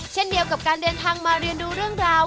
เช่นเดียวกับการเดินทางมาเรียนดูเรื่องราว